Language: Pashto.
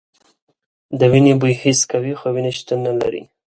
د وینې بوی حس کوي خو وینه شتون نه لري.